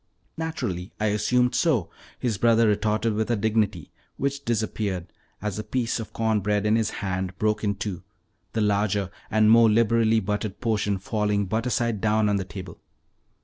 "Naturally I assumed so," his brother retorted with a dignity which disappeared as the piece of corn bread in his hand broke in two, the larger and more liberally buttered portion falling butter side down on the table.